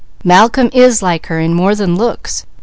"Malcolm is like her in more than looks.